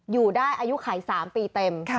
อยู่ได้อายุไข๓ปีเต็ม